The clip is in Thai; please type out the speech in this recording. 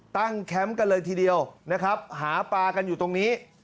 แคมป์กันเลยทีเดียวนะครับหาปลากันอยู่ตรงนี้